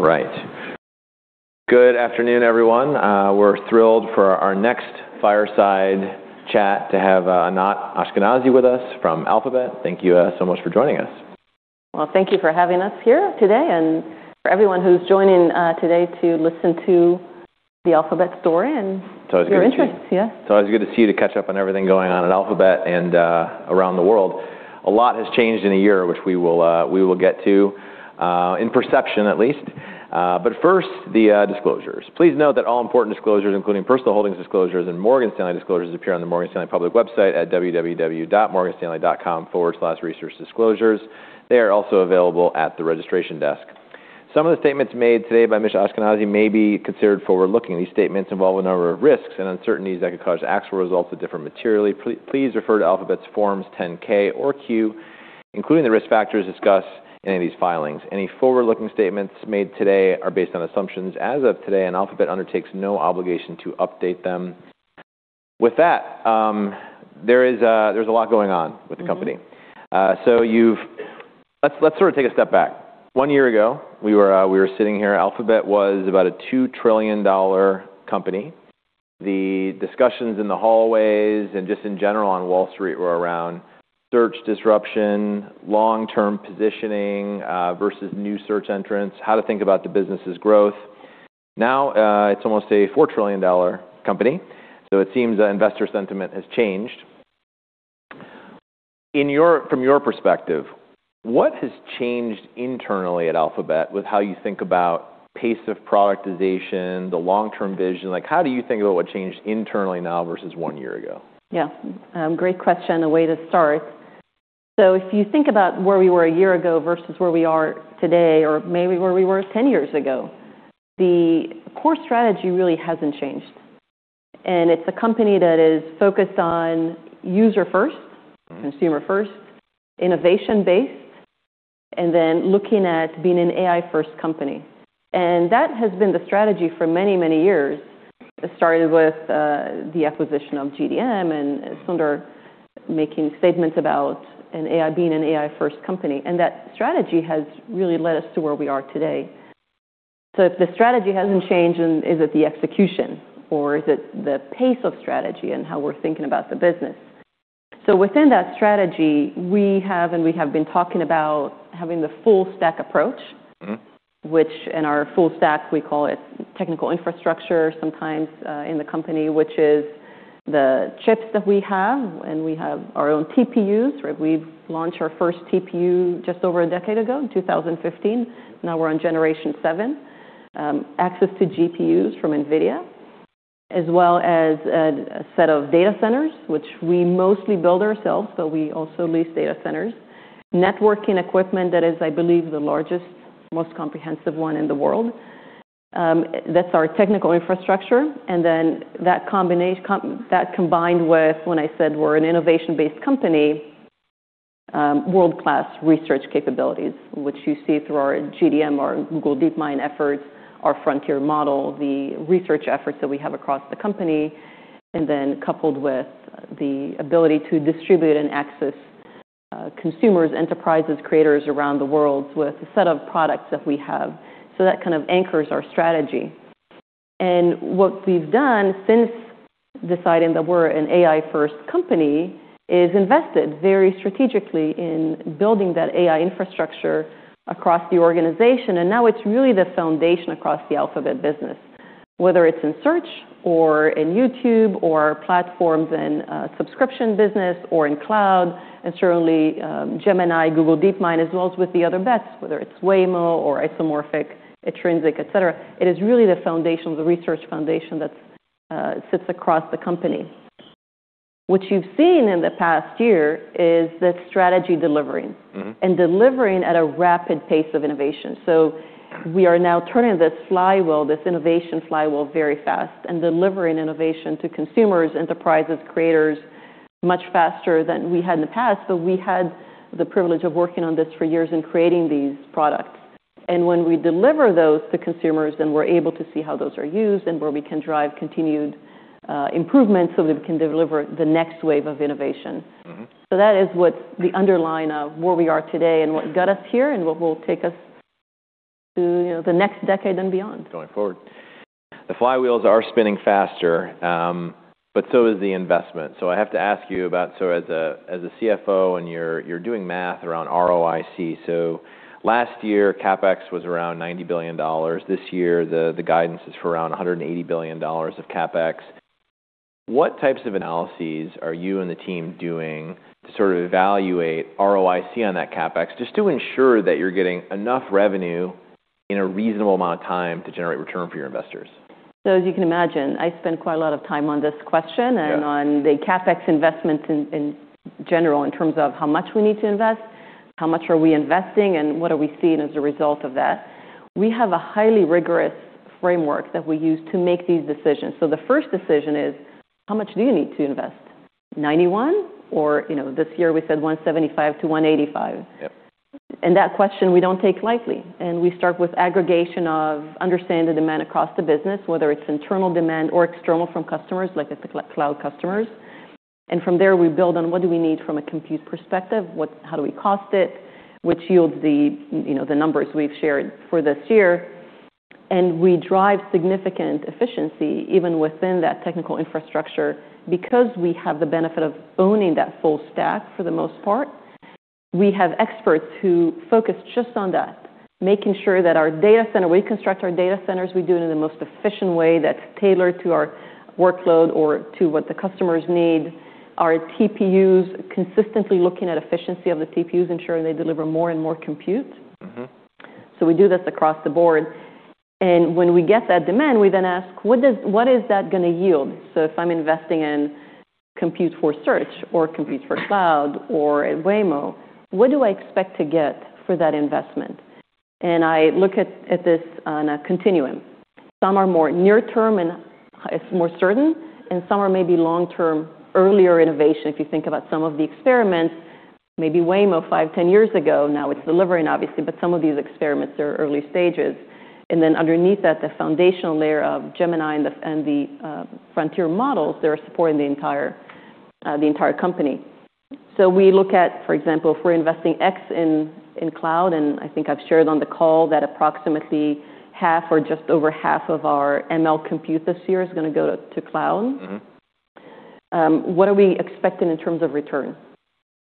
All right. Good afternoon, everyone. We're thrilled for our next fireside chat to have Anat Ashkenazi with us from Alphabet. Thank you so much for joining us. Well, thank you for having us here today and for everyone who's joining today to listen to the Alphabet story and your interest. It's always good to see you to catch up on everything going on at Alphabet and around the world. A lot has changed in a year, which we will get to in perception at least. First, the disclosures. Please note that all important disclosures, including personal holdings disclosures and Morgan Stanley disclosures, appear on the Morgan Stanley public website at www.morganstanley.com/researchdisclosures. They are also available at the registration desk. Some of the statements made today by Anat Ashkenazi may be considered forward-looking. These statements involve a number of risks and uncertainties that could cause actual results to differ materially. Please refer to Alphabet's Forms 10-K or 10-Q, including the risk factors discussed in any of these filings. Any forward-looking statements made today are based on assumptions as of today, and Alphabet undertakes no obligation to update them. With that, there's a lot going on with the company. Mm-hmm. Let's sort of take a step back. One year ago, we were sitting here. Alphabet was about a $2 trillion company. The discussions in the hallways and just in general on Wall Street were around search disruption, long-term positioning, versus new search entrants, how to think about the business's growth. Now, it's almost a $4 trillion company. It seems that investor sentiment has changed. From your perspective, what has changed internally at Alphabet with how you think about pace of productization, the long-term vision? Like, how do you think about what changed internally now versus one year ago? Yeah. Great question and way to start. If you think about where we were one year ago versus where we are today or maybe where we were 10 years ago, the core strategy really hasn't changed. It's a company that is focused on user first- Mm-hmm. Consumer first, innovation-based, and then looking at being an AI-first company. That has been the strategy for many, many years. It started with the acquisition of GDM and Sundar making statements about an AI being an AI-first company. That strategy has really led us to where we are today. If the strategy hasn't changed, then is it the execution or is it the pace of strategy and how we're thinking about the business? Within that strategy, we have been talking about having the full stack approach- Mm-hmm. Which in our full stack, we call it technical infrastructure sometimes, in the company, which is the chips that we have, and we have our own TPUs. Right? We've launched our first TPU just over a decade ago in 2015. Now we're on generation 7. Access to GPUs from NVIDIA, as well as a set of data centers, which we mostly build ourselves, but we also lease data centers. Networking equipment that is, I believe, the largest, most comprehensive one in the world. That's our technical infrastructure. Then that combined with when I said we're an innovation-based company, world-class research capabilities, which you see through our GDM, our Google DeepMind efforts, our Frontier model, the research efforts that we have across the company, then coupled with the ability to distribute and access, consumers, enterprises, creators around the world with a set of products that we have. That kind of anchors our strategy. What we've done since deciding that we're an AI-first company is invested very strategically in building that AI infrastructure across the organization. Now it's really the foundation across the Alphabet business, whether it's in Search or in YouTube or platforms in subscription business or in Cloud, and certainly, Gemini, Google DeepMind, as well as with the Other Bets, whether it's Waymo or Isomorphic, Intrinsic, et cetera. It is really the foundation, the research foundation that sits across the company. What you've seen in the past year is the strategy delivering. Mm-hmm. Delivering at a rapid pace of innovation. So we are now turning this flywheel, this innovation flywheel, very fast and delivering innovation to consumers, enterprises, creators much faster than we had in the past. But we had the privilege of working on this for years and creating these products. And when we deliver those to consumers, then we're able to see how those are used and where we can drive continued improvements so that we can deliver the next wave of innovation. Mm-hmm. That is what the underline of where we are today and what got us here and what will take us to, you know, the next decade and beyond. Going forward. The flywheels are spinning faster, so is the investment. I have to ask you about... As a CFO, and you're doing math around ROIC. Last year, CapEx was around $90 billion. This year, the guidance is for around $180 billion of CapEx. What types of analyses are you and the team doing to sort of evaluate ROIC on that CapEx just to ensure that you're getting enough revenue in a reasonable amount of time to generate return for your investors? As you can imagine, I spend quite a lot of time on this question. Yeah. On the CapEx investment in general, in terms of how much we need to invest, how much are we investing, and what are we seeing as a result of that. We have a highly rigorous framework that we use to make these decisions. The first decision is, how much do you need to invest? $91 or, you know, this year we said $175-$185. Yep. That question we don't take lightly. We start with aggregation of understanding the demand across the business, whether it's internal demand or external from customers, like the cloud customers. From there we build on what do we need from a compute perspective, how do we cost it, which yields the, you know, the numbers we've shared for this year. We drive significant efficiency even within that technical infrastructure because we have the benefit of owning that full stack for the most part. We have experts who focus just on that, making sure that our data center, we construct our data centers, we do it in the most efficient way that's tailored to our workload or to what the customers need. Our TPUs, consistently looking at efficiency of the TPUs, ensuring they deliver more and more compute. Mm-hmm. We do this across the board. When we get that demand, we then ask, "What is that gonna yield?" If I'm investing in compute for Search or compute for Cloud or at Waymo, what do I expect to get for that investment? I look at this on a continuum. Some are more near term and it's more certain, and some are maybe long-term, earlier innovation. If you think about some of the experiments, maybe Waymo 5, 10 years ago, now it's delivering obviously, but some of these experiments are early stages. Then underneath that, the foundational layer of Gemini and the frontier models that are supporting the entire company. We look at, for example, if we're investing X in cloud, and I think I've shared on the call that approximately half or just over half of our ML compute this year is gonna go to cloud. Mm-hmm. What are we expecting in terms of return?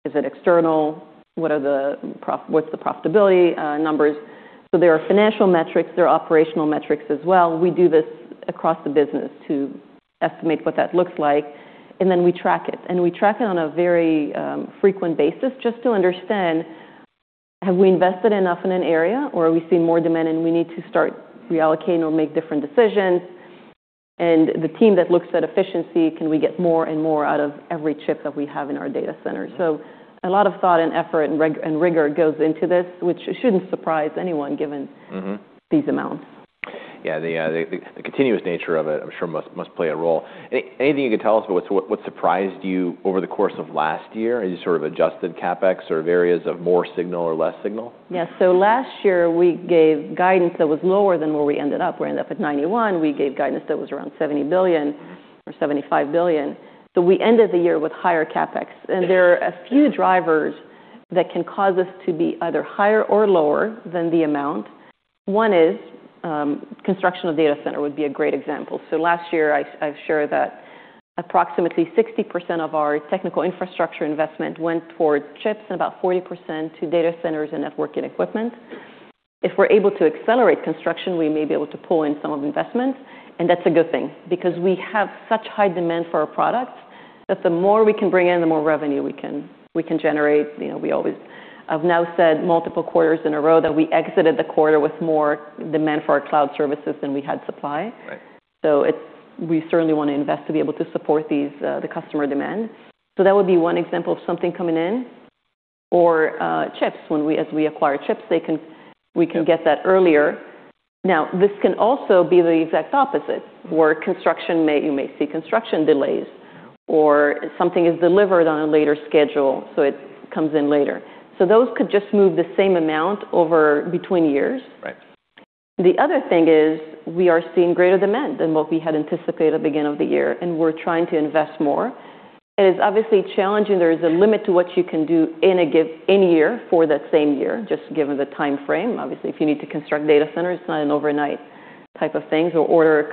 Is it external? What's the profitability numbers? There are financial metrics, there are operational metrics as well. We do this across the business to estimate what that looks like, and then we track it. We track it on a very frequent basis just to understand, have we invested enough in an area, or are we seeing more demand and we need to start reallocating or make different decisions? The team that looks at efficiency, can we get more and more out of every chip that we have in our data center? A lot of thought and effort and rigor goes into this, which shouldn't surprise anyone given. Mm-hmm. these amounts. Yeah. The continuous nature of it, I'm sure must play a role. Anything you can tell us about what's, what surprised you over the course of last year as you sort of adjusted CapEx or areas of more signal or less signal? Yeah. Last year we gave guidance that was lower than where we ended up. We ended up at $91 billion. We gave guidance that was around $70 billion. Mm-hmm. $75 billion. We ended the year with higher CapEx. There are a few drivers that can cause us to be either higher or lower than the amount. One is, construction of data center would be a great example. Last year I shared that approximately 60% of our technical infrastructure investment went towards chips and about 4 0% to data centers and networking equipment. If we're able to accelerate construction, we may be able to pull in some of investment, and that's a good thing because we have such high demand for our products that the more we can bring in, the more revenue we can generate. You know, I've now said multiple quarters in a row that we exited the quarter with more demand for our cloud services than we had supply. Right. We certainly wanna invest to be able to support these, the customer demand. That would be one example of something coming in or, chips. As we acquire chips, we can get that earlier. This can also be the exact opposite, where you may see construction delays. Yeah. Something is delivered on a later schedule, so it comes in later. Those could just move the same amount over between years. Right. The other thing is we are seeing greater demand than what we had anticipated at the beginning of the year. We're trying to invest more. It is obviously challenging. There is a limit to what you can do in any year for that same year, just given the timeframe. Obviously, if you need to construct data centers, it's not an overnight type of thing, or order a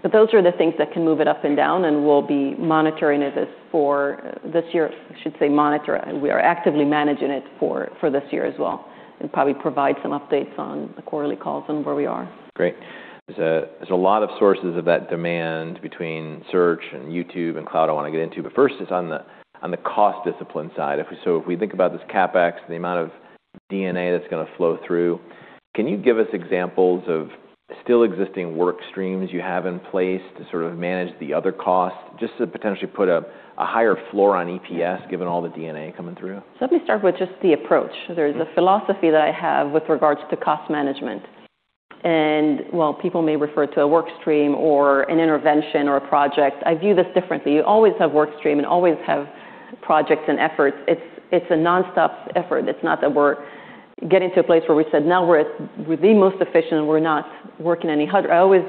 component. Those are the things that can move it up and down, and we'll be monitoring it as for this year. I should say monitor, we are actively managing it for this year as well, and probably provide some updates on the quarterly calls on where we are. Great. There's a lot of sources of that demand between Search and YouTube and Cloud I want to get into. First it's on the cost discipline side. So if we think about this CapEx, the amount of DNA that's gonna flow through, can you give us examples of still existing work streams you have in place to sort of manage the other costs, just to potentially put a higher floor on EPS given all the DNA coming through? Let me start with just the approach. There's a philosophy that I have with regards to cost management. While people may refer to a work stream or an intervention or a project, I view this differently. You always have work stream and always have projects and efforts. It's a nonstop effort. It's not that we're getting to a place where we said, "Now we're the most efficient and we're not working any harder." I always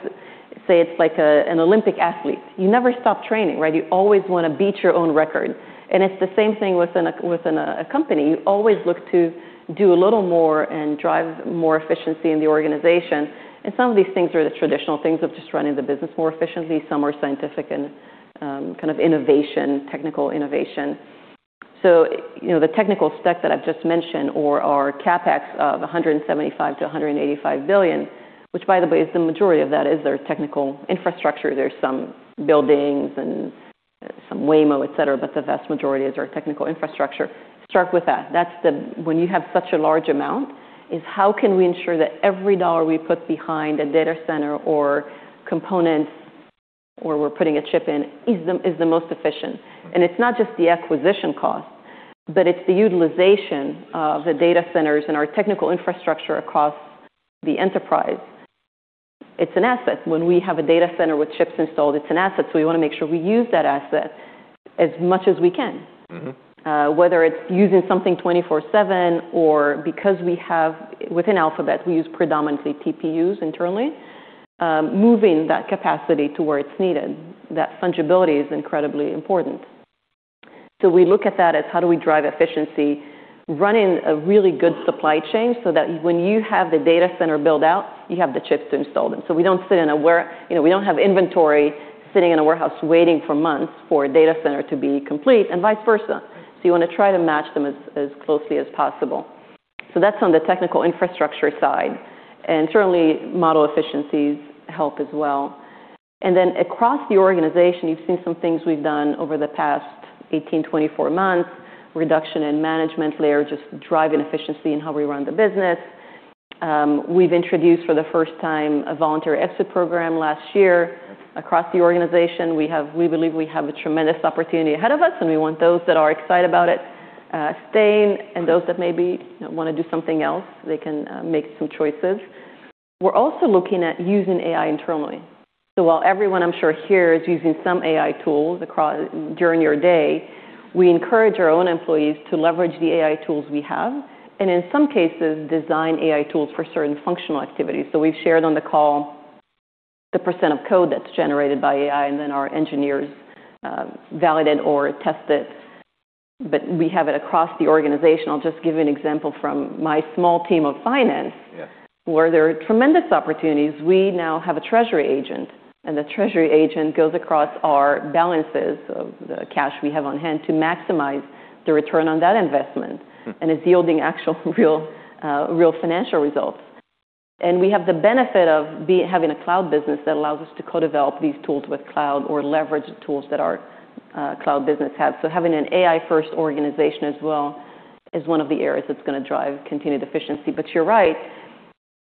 say it's like an Olympic athlete. You never stop training, right? You always wanna beat your own record. It's the same thing within a company. You always look to do a little more and drive more efficiency in the organization. Some of these things are the traditional things of just running the business more efficiently. Some are scientific and kind of innovation, technical innovation. You know, the technical stack that I've just mentioned or our CapEx of $175 billion-$185 billion, which by the way is the majority of that is our technical infrastructure. There's some buildings and some Waymo, et cetera, but the vast majority is our technical infrastructure. Start with that. When you have such a large amount, is how can we ensure that every dollar we put behind a data center or component or we're putting a chip in is the most efficient. Right. It's not just the acquisition cost, but it's the utilization of the data centers and our technical infrastructure across the enterprise. It's an asset. When we have a data center with chips installed, it's an asset, so we wanna make sure we use that asset as much as we can. Mm-hmm. Whether it's using something 24/7 or because within Alphabet, we use predominantly TPUs internally. Moving that capacity to where it's needed, that fungibility is incredibly important. We look at that as how do we drive efficiency, running a really good supply chain so that when you have the data center build-out, you have the chips to install them. We don't sit in a, you know, we don't have inventory sitting in a warehouse waiting for months for a data center to be complete and vice versa. You wanna try to match them as closely as possible. That's on the technical infrastructure side, and certainly model efficiencies help as well. Across the organization, you've seen some things we've done over the past 18, 24 months, reduction in management layer, just driving efficiency in how we run the business. We've introduced for the first time a voluntary exit program last year across the organization. We believe we have a tremendous opportunity ahead of us, and we want those that are excited about it, staying, and those that maybe wanna do something else, they can make some choices. We're also looking at using AI internally. While everyone I'm sure here is using some AI tools during your day, we encourage our own employees to leverage the AI tools we have, and in some cases, design AI tools for certain functional activities. We've shared on the call the percent of code that's generated by AI, and then our engineers validate or test it. We have it across the organization. I'll just give you an example from my small team of finance- Yes. where there are tremendous opportunities. We now have a treasury agent, and the treasury agent goes across our balances of the cash we have on hand to maximize the return on that investment. Mm-hmm. Is yielding actual real financial results. We have the benefit of having a cloud business that allows us to co-develop these tools with cloud or leverage tools that our cloud business has. Having an AI-first organization as well is one of the areas that's gonna drive continued efficiency. You're right,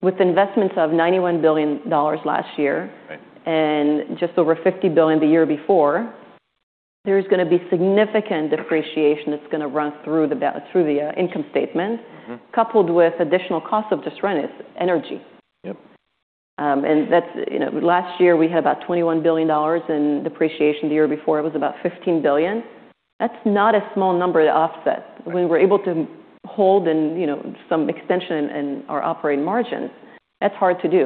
with investments of $91 billion last year. Right. Just over $50 billion the year before, there's going to be significant depreciation that's going to run through the income statement. Mm-hmm. -coupled with additional cost of just energy. Yep. That's, you know, last year we had about $21 billion in depreciation. The year before it was about $15 billion. That's not a small number to offset. Right. We were able to hold in, you know, some extension in our operating margins. That's hard to do.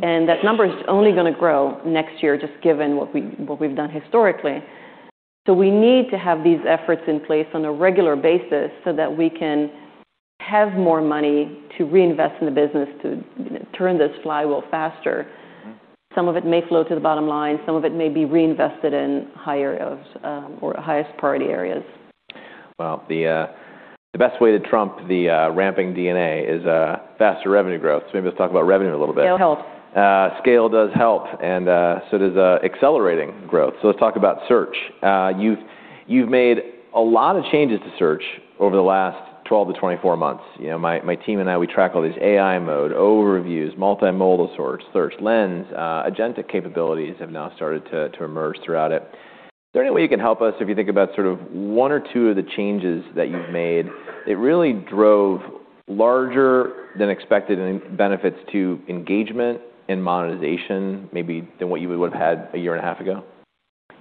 Mm-hmm. That number is only gonna grow next year just given what we've done historically. We need to have these efforts in place on a regular basis so that we can have more money to reinvest in the business to, you know, turn this flywheel faster. Mm-hmm. Some of it may flow to the bottom line, some of it may be reinvested in higher areas, or highest priority areas. Well, the best way to trump the ramping DNA is faster revenue growth. Maybe let's talk about revenue a little bit. Scale helps. Scale does help, and so does accelerating growth. Let's talk about search. You've made a lot of changes to search over the last 12 to 24 months. You know, my team and I, we track all these AI Mode, overviews, multimodal search, Google Lens, agentic capabilities have now started to emerge throughout it. Is there any way you can help us, if you think about sort of one or two of the changes that you've made that really drove larger than expected benefits to engagement and monetization maybe than what you would've had a year and a half ago?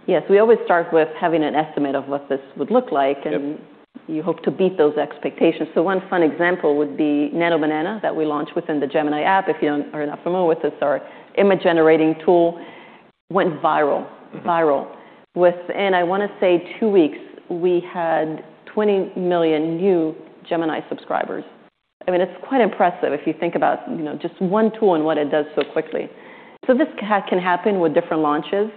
Yes. We always start with having an estimate of what this would look like. Yep. You hope to beat those expectations. One fun example would be Nano Banana that we launched within the Gemini app. If you are not familiar with this, our image-generating tool went viral. Mm-hmm. Within, I want to say two weeks, we had 20 million new Gemini subscribers. I mean, it's quite impressive if you think about, you know, just 1 tool and what it does so quickly. This can happen with different launches.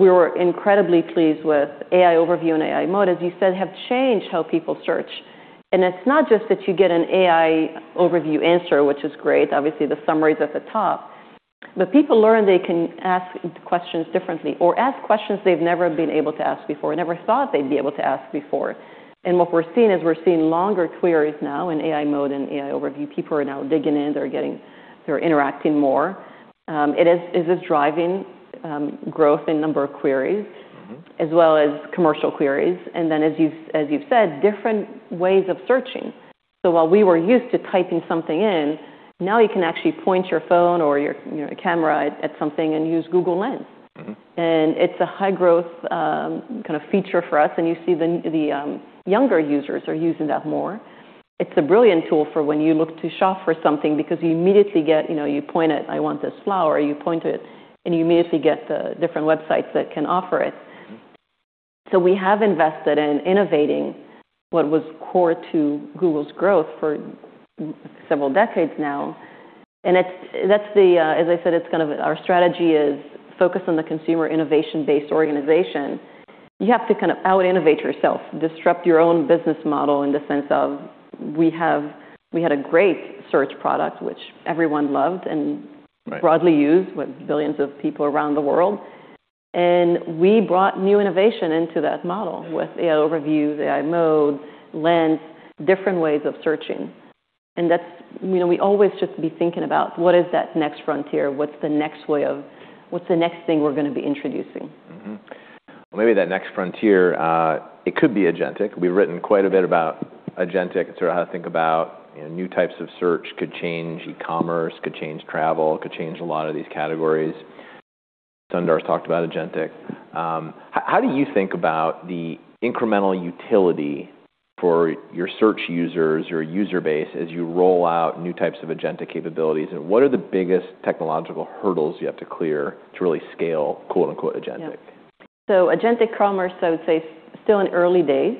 We were incredibly pleased with AI Overviews and AI Mode, as you said, have changed how people search. It's not just that you get an AI Overviews answer, which is great, obviously the summaries at the top, but people learn they can ask questions differently or ask questions they've never been able to ask before, never thought they'd be able to ask before. What we're seeing is we're seeing longer queries now in AI Mode and AI Overviews. People are now digging in, they're interacting more. It is driving growth in number of queries. Mm-hmm. as well as commercial queries. As you've said, different ways of searching. While we were used to typing something in, now you can actually point your phone or your, you know, camera at something and use Google Lens. Mm-hmm. It's a high-growth, kind of feature for us, and you see the younger users are using that more. It's a brilliant tool for when you look to shop for something because you immediately get, you know, you point at, "I want this flower," you point to it, and you immediately get the different websites that can offer it. Mm-hmm. We have invested in innovating what was core to Google's growth for several decades now. That's the, as I said, it's kind of our strategy is focus on the consumer innovation-based organization. You have to kind of out-innovate yourself, disrupt your own business model in the sense of we had a great search product which everyone loved. Right. Broadly used with billions of people around the world. We brought new innovation into that model with AI Overviews, AI Mode, Lens, different ways of searching. That's, you know, we always just be thinking about what is that next frontier? What's the next thing we're gonna be introducing? Well, maybe that next frontier, it could be agentic. We've written quite a bit about agentic, sort of how to think about, you know, new types of search could change e-commerce, could change travel, could change a lot of these categories. Sundar talked about agentic. How do you think about the incremental utility for your search users, your user base, as you roll out new types of agentic capabilities? What are the biggest technological hurdles you have to clear to really scale quote-unquote agentic? Yeah. Agentic commerce, I would say, still in early days.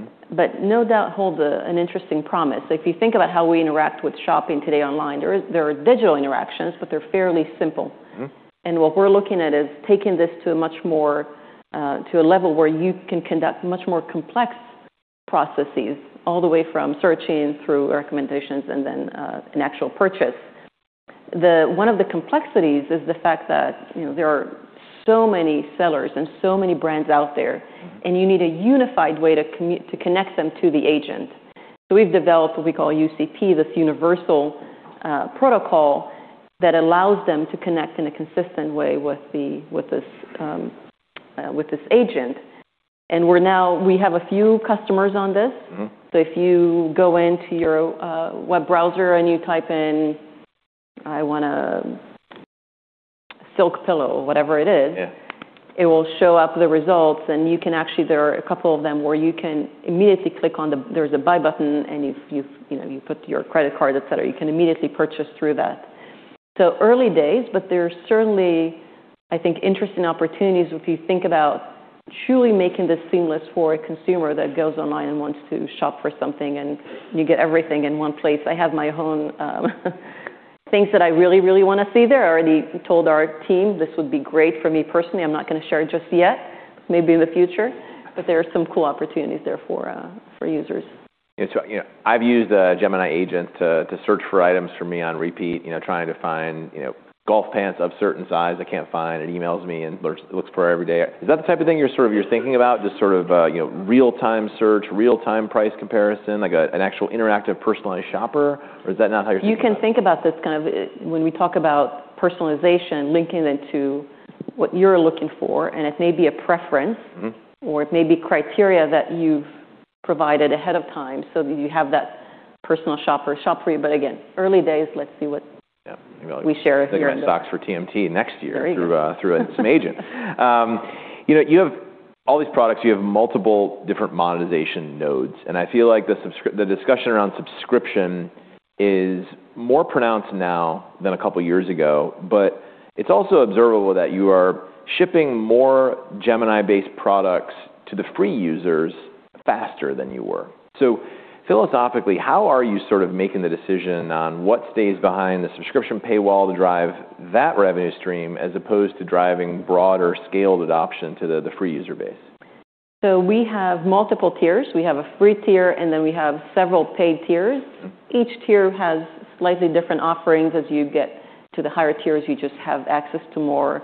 Mm-hmm. No doubt holds an interesting promise. If you think about how we interact with shopping today online, there are digital interactions, but they're fairly simple. Mm-hmm. What we're looking at is taking this to a much more to a level where you can conduct much more complex processes, all the way from searching through recommendations and then an actual purchase. One of the complexities is the fact that, you know, there are so many sellers and so many brands out there. Mm-hmm. You need a unified way to connect them to the agent. We've developed what we call UCP, this universal protocol that allows them to connect in a consistent way with this agent. We have a few customers on this. Mm-hmm. if youuu go into your web browser, and you type in, "I want a silk pillow," or whatever it is. Yeah it will show up the results, and you can actually there are a couple of them where you can immediately click on the there's a buy button, and you know, you put your credit card, et cetera. You can immediately purchase through that. Early days, but there's certainly, I think, interesting opportunities if you think about truly making this seamless for a consumer that goes online and wants to shop for something, and you get everything in one place. I have my own things that I really, really wanna see there. I already told our team this would be great for me personally. I'm not gonna share just yet. Maybe in the future. There are some cool opportunities there for users. It's, you know, I've used a Gemini agent to search for items for me on repeat. You know, trying to find, you know, golf pants of certain size I can't find. It emails me and looks for every day. Is that the type of thing you're sort of, you're thinking about? Just sort of, you know, real-time search, real-time price comparison, like a, an actual interactive personalized shopper? Or is that not how you're thinking about it? You can think about this kind of, when we talk about personalization, linking it to what you're looking for, it may be a. Mm-hmm... or it may be criteria that you've provided ahead of time so that you have that personal shopper shop for you. Again, early days, let's see what- Yeah.... we share here get my stocks for TMT next year. There you go.... through some agent. You know, you have all these products. You have multiple different monetization nodes. I feel like the discussion around subscription is more pronounced now than a couple years ago, but it's also observable that you are shipping more Gemini-based products to the free users faster than you were. Philosophically, how are you sort of making the decision on what stays behind the subscription paywall to drive that revenue stream as opposed to driving broader scaled adoption to the free user base? We have multiple tiers. We have a free tier, and then we have several paid tiers. Mm-hmm. Each tier has slightly different offerings. As you get to the higher tiers, you just have access to more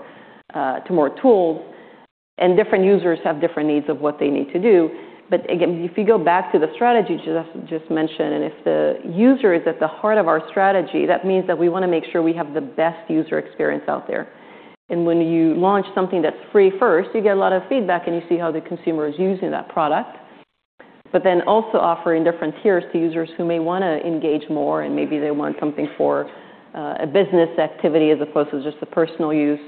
tools, and different users have different needs of what they need to do. Again, if you go back to the strategy just mentioned, if the user is at the heart of our strategy, that means that we wanna make sure we have the best user experience out there. When you launch something that's free first, you get a lot of feedback, and you see how the consumer is using that product. Also offering different tiers to users who may wanna engage more, and maybe they want something for a business activity as opposed to just the personal use.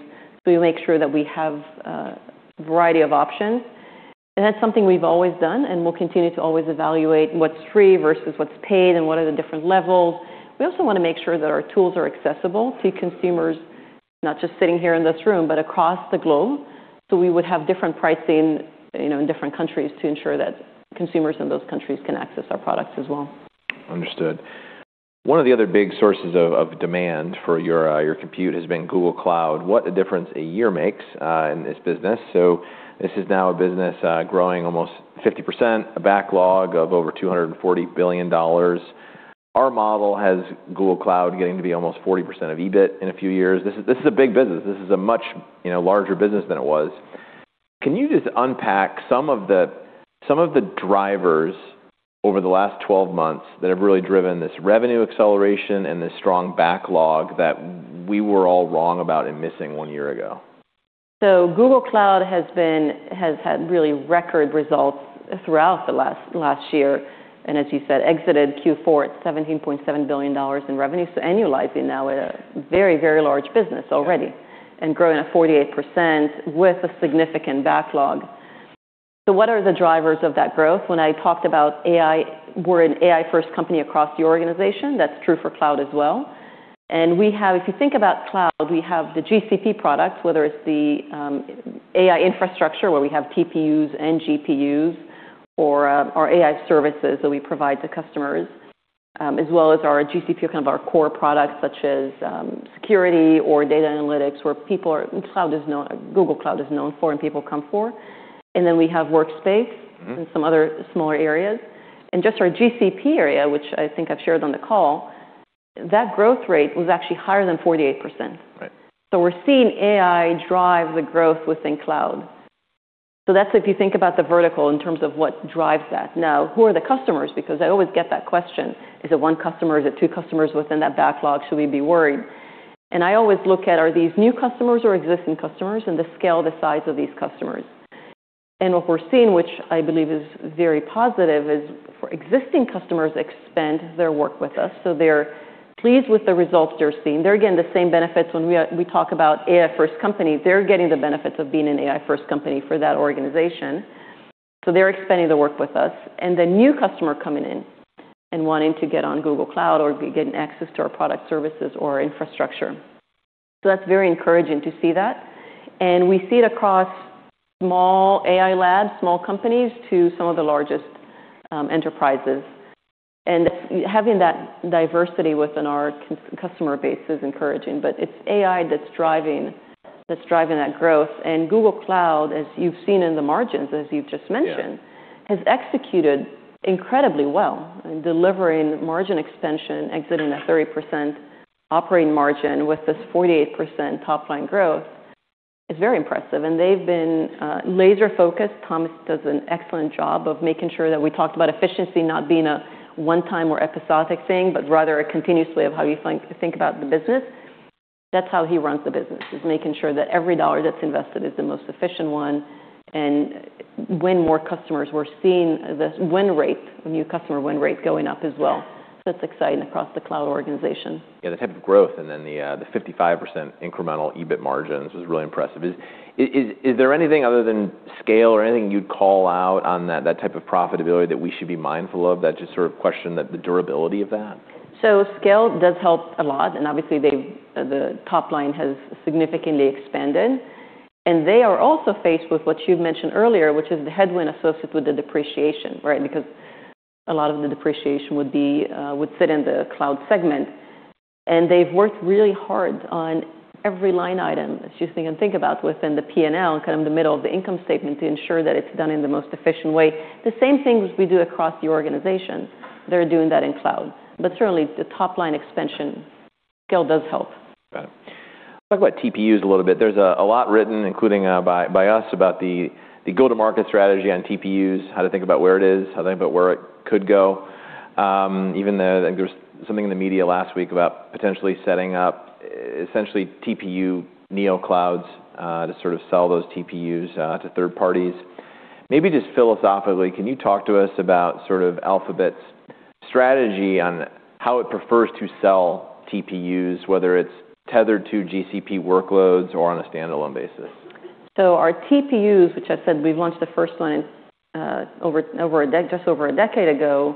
We make sure that we have a variety of options, and that's something we've always done and will continue to always evaluate what's free versus what's paid and what are the different levels. We also wanna make sure that our tools are accessible to consumers, not just sitting here in this room, but across the globe. We would have different pricing, you know, in different countries to ensure that consumers in those countries can access our products as well. Understood. One of the other big sources of demand for your compute has been Google Cloud. What a difference a year makes in this business. This is now a business growing almost 50%, a backlog of over $240 billion. Our model has Google Cloud getting to be almost 40% of EBIT in a few years. This is a big business. This is a much, you know, larger business than it was. Can you just unpack some of the drivers over the last 12 months that have really driven this revenue acceleration and this strong backlog that we were all wrong about and missing 1 year ago? Google Cloud has had really record results throughout the last year, and as you said, exited Q4 at $17.7 billion in revenue. Annualizing now at a very, very large business already. Yeah. Growing at 48% with a significant backlog. What are the drivers of that growth? When I talked about AI, we're an AI-first company across the organization. That's true for Cloud as well. We have, if you think about Cloud, we have the GCP products, whether it's the AI infrastructure, where we have TPUs and GPUs or our AI services that we provide to customers, as well as our GCP, kind of our core products, such as security or data analytics, where people are Google Cloud is known for and people come for. Then we have Workspace. Mm-hmm... and some other smaller areas. Just our GCP area, which I think I've shared on the call, that growth rate was actually higher than 48%. Right. We're seeing AI drive the growth within Cloud. That's if you think about the vertical in terms of what drives that. Who are the customers? Because I always get that question. Is it one customer? Is it two customers within that backlog? Should we be worried? I always look at, are these new customers or existing customers and the scale, the size of these customers. What we're seeing, which I believe is very positive, is for existing customers expand their work with us. They're pleased with the results they're seeing. They're getting the same benefits when we talk about AI-first company, they're getting the benefits of being an AI-first company for that organization. They're expanding the work with us. The new customer coming in and wanting to get on Google Cloud or be getting access to our product services or infrastructure. That's very encouraging to see that. We see it across small AI labs, small companies, to some of the largest enterprises. Having that diversity within our customer base is encouraging. It's AI that's driving that growth. Google Cloud, as you've seen in the margins, as you've just mentioned. Yeah... has executed incredibly well in delivering margin expansion, exiting at 30% operating margin with this 48% top line growth is very impressive. They've been laser-focused. Thomas does an excellent job of making sure that we talked about efficiency not being a one-time or episodic thing, but rather a continuous way of how you think about the business. That's how he runs the business, is making sure that every dollar that's invested is the most efficient one. Win more customers. We're seeing this win rate, new customer win rate going up as well. That's exciting across the cloud organization. Yeah, the type of growth and then the 55% incremental EBIT margins is really impressive. Is there anything other than scale or anything you'd call out on that type of profitability that we should be mindful of that just sort of question the durability of that? Scale does help a lot, obviously the top line has significantly expanded. They are also faced with what you've mentioned earlier, which is the headwind associated with the depreciation, right? Because a lot of the depreciation would be, would sit in the Cloud segment, and they've worked really hard on every line item, as you can think about within the P&L, kind of the middle of the income statement, to ensure that it's done in the most efficient way. The same things we do across the organization, they're doing that in Cloud. Certainly, the top line expansion scale does help. Got it. Talk about TPUs a little bit. There's a lot written, including by us, about the go-to-market strategy on TPUs, how to think about where it is, how to think about where it could go. There's something in the media last week about potentially setting up essentially TPU Neo clouds to sort of sell those TPUs to third parties. Maybe just philosophically, can you talk to us about sort of Alphabet's strategy on how it prefers to sell TPUs, whether it's tethered to GCP workloads or on a standalone basis? Our TPUs, which I said we launched the first one in just over a decade ago,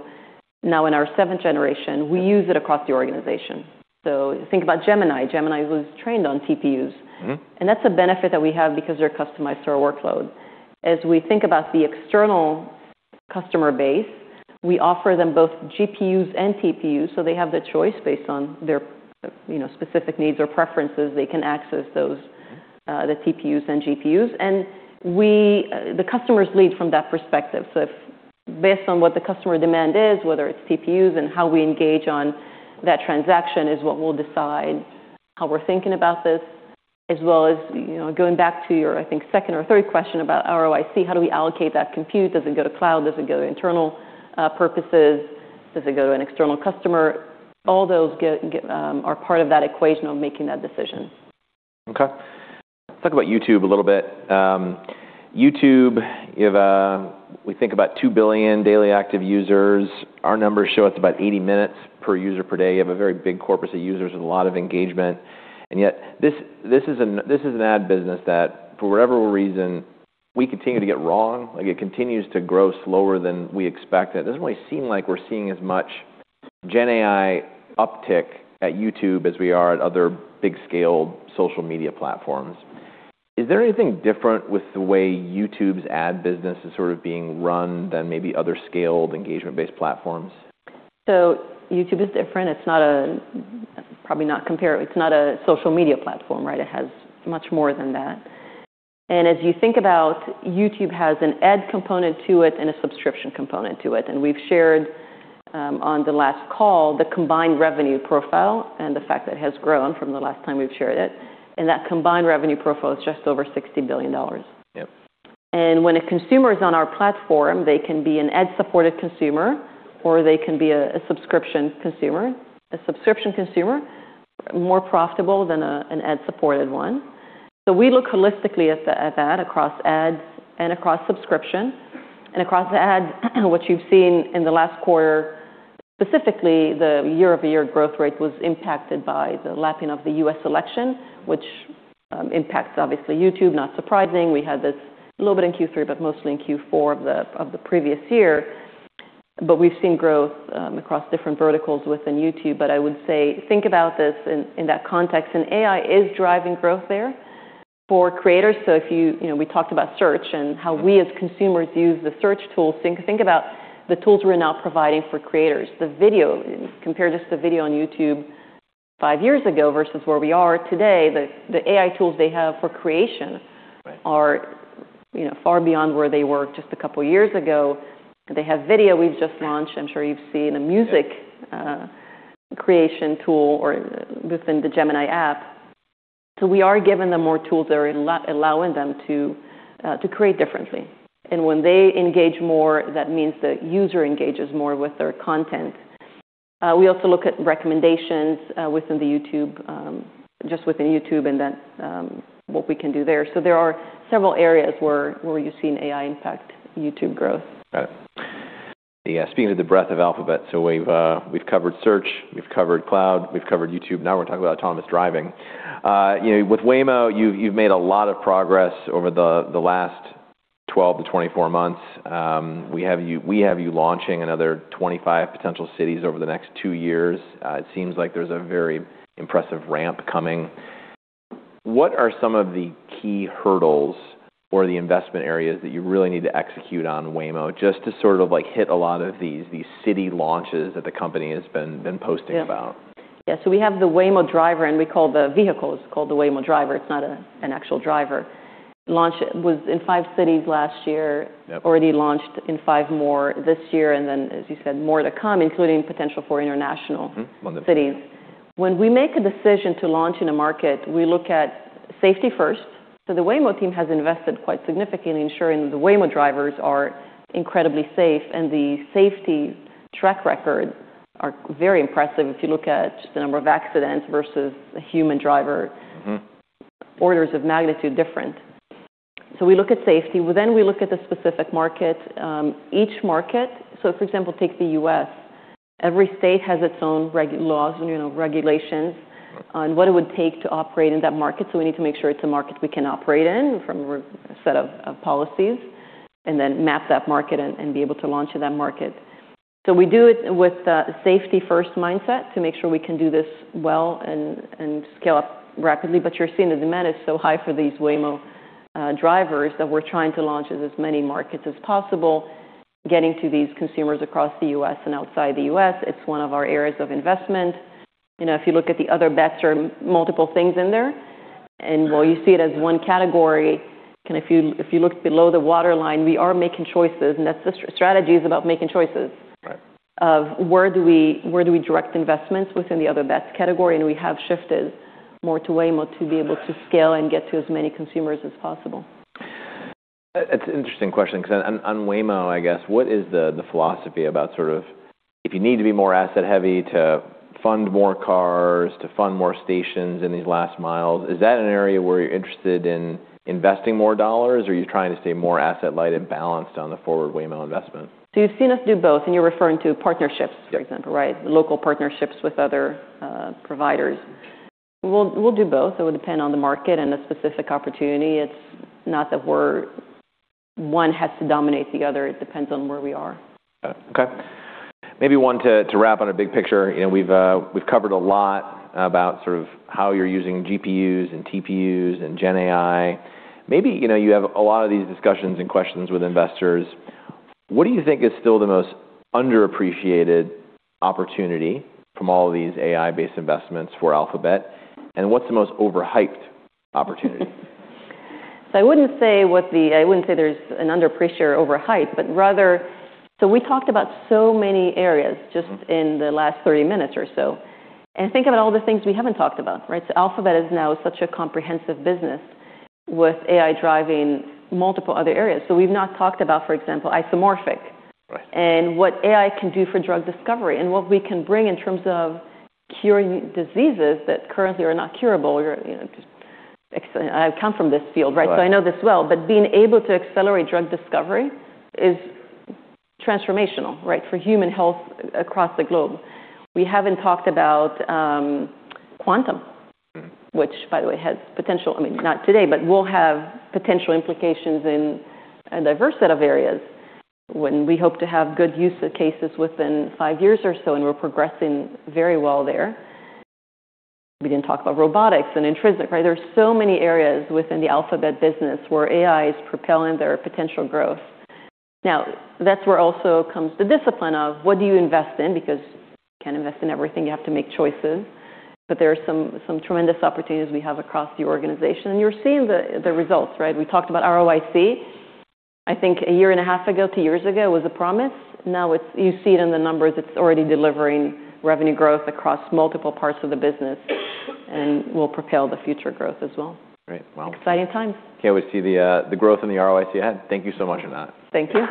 now in our seventh generation, we use it across the organization. Think about Gemini. Gemini was trained on TPUs. Mm-hmm. That's a benefit that we have because they're customized to our workload. As we think about the external customer base, we offer them both GPUs and TPUs, so they have the choice based on their, you know, specific needs or preferences. They can access those, the TPUs and GPUs. We, the customers lead from that perspective. If based on what the customer demand is, whether it's TPUs and how we engage on that transaction is what we'll decide how we're thinking about this, as well as, you know, going back to your, I think, second or third question about ROIC, how do we allocate that compute? Does it go to cloud? Does it go to internal purposes? Does it go to an external customer? All those get are part of that equation of making that decision. Okay. Let's talk about YouTube a little bit. YouTube, you have, we think about 2 billion daily active users. Our numbers show it's about 80 minutes per user per day. You have a very big corpus of users and a lot of engagement. This is an ad business that for whatever reason we continue to get wrong. Like it continues to grow slower than we expect. It doesn't really seem like we're seeing as much GenAI uptick at YouTube as we are at other big scaled social media platforms. Is there anything different with the way YouTube's ad business is sort of being run than maybe other scaled engagement-based platforms? YouTube is different. It's probably not compare it. It's not a social media platform, right? It has much more than that. As you think about YouTube has an ad component to it and a subscription component to it. We've shared on the last call the combined revenue profile and the fact that it has grown from the last time we've shared it. That combined revenue profile is just over $60 billion. Yep. When a consumer is on our platform, they can be an ad-supported consumer or they can be a subscription consumer. A subscription consumer, more profitable than an ad-supported one. We look holistically at that across ads and across subscription. Across ads, what you've seen in the last quarter, specifically the year-over-year growth rate was impacted by the lapping of the U.S. election, which impacts obviously YouTube. Not surprising. We had this a little bit in Q3, but mostly in Q4 of the previous year. We've seen growth across different verticals within YouTube. I would say think about this in that context, and AI is driving growth there for creators. If you know, we talked about search and how we as consumers use the search tool. Think about the tools we're now providing for creators. The video compare just the video on YouTube five years ago versus where we are today. The AI tools they have for creation. Right are, you know, far beyond where they were just a couple years ago. They have video we've just launched. I'm sure you've seen a music- Yeah... creation tool or within the Gemini app. We are giving them more tools that are allowing them to create differently. When they engage more, that means the user engages more with their content. We also look at recommendations within YouTube, just within YouTube and then what we can do there. There are several areas where you're seeing AI impact YouTube growth. Got it. Yeah, speaking of the breadth of Alphabet, we've covered Search, we've covered Cloud, we've covered YouTube. Now we're talking about autonomous driving. You know, with Waymo, you've made a lot of progress over the last 12-24 months. We have you launching another 25 potential cities over the next two years. It seems like there's a very impressive ramp coming. What are some of the key hurdles or the investment areas that you really need to execute on Waymo just to sort of, like, hit a lot of these city launches that the company has been posting about? Yeah. We have the Waymo Driver, and we call the vehicle is called the Waymo Driver. It's not an actual driver. Launch was in five cities last year. Yep. Already launched in five more this year, and then, as you said, more to come, including potential for international- Mm-hmm. Wonderful.... cities. When we make a decision to launch in a market, we look at safety first. The Waymo team has invested quite significantly ensuring that the Waymo Drivers are incredibly safe, and the safety track record are very impressive if you look at just the number of accidents versus a human driver. Mm-hmm. Orders of magnitude different. We look at safety. Well, we look at the specific market. Each market... For example, take the U.S. Every state has its own laws and, you know, regulations... Right... on what it would take to operate in that market. We need to make sure it's a market we can operate in from a set of policies and then map that market and be able to launch in that market. We do it with a safety-first mindset to make sure we can do this well and scale up rapidly. You're seeing the demand is so high for these Waymo Drivers that we're trying to launch in as many markets as possible, getting to these consumers across the U.S. and outside the U.S. It's one of our areas of investment. You know, if you look at the Other Bets, there are multiple things in there. While you see it as one category, kind of if you look below the waterline, we are making choices, and that's the strategy is about making choices. Right... of where do we direct investments within the Other Bets category? We have shifted more to Waymo to be able to scale and get to as many consumers as possible. It's an interesting question because on Waymo, I guess, what is the philosophy about sort of if you need to be more asset heavy to fund more cars, to fund more stations in these last miles? Is that an area where you're interested in investing more dollars, or are you trying to stay more asset light and balanced on the forward Waymo investment? You've seen us do both, and you're referring to partnerships, for example. Yes. Right, local partnerships with other providers. We'll do both. It would depend on the market and the specific opportunity. It's not that one has to dominate the other. It depends on where we are. Okay. Maybe one to wrap on a big picture. You know, we've covered a lot about sort of how you're using GPUs and TPUs and GenAI. Maybe, you know, you have a lot of these discussions and questions with investors. What do you think is still the most underappreciated opportunity from all these AI-based investments for Alphabet, and what's the most overhyped opportunity? I wouldn't say there's an underappreciated or overhyped, but rather. We talked about so many areas just in the last 30 minutes or so. Think about all the things we haven't talked about, right? Alphabet is now such a comprehensive business with AI driving multiple other areas. We've not talked about, for example, Isomorphic Right... and what AI can do for drug discovery and what we can bring in terms of curing diseases that currently are not curable. You're, you know, I come from this field, right? Right. I know this well, but being able to accelerate drug discovery is transformational, right, for human health across the globe. We haven't talked about Quantum. Mm-hmm which by the way, has potential. I mean, not today, but will have potential implications in a diverse set of areas when we hope to have good use cases within five years or so, and we're progressing very well there. We didn't talk about robotics and Intrinsic, right? There are so many areas within the Alphabet business where AI is propelling their potential growth. Now, that's where also comes the discipline of what do you invest in because you can't invest in everything. You have to make choices. There are some tremendous opportunities we have across the organization, and you're seeing the results, right? We talked about ROIC. I think a year and a half ago to years ago was a promise. Now it's you see it in the numbers. It's already delivering revenue growth across multiple parts of the business and will propel the future growth as well. Great. Wow. Exciting times. Can't wait to see the growth in the ROIC ahead. Thank you so much for that. Thank you.